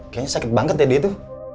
kayaknya sakit banget ya dia tuh